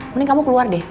mending kamu keluar deh